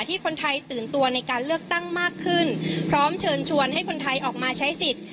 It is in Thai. ที่คนไทยตื่นตัวในการเลือกตั้งมากขึ้นพร้อมเชิญชวนให้คนไทยออกมาใช้สิทธิ์